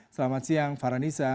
selamat siang farhanisa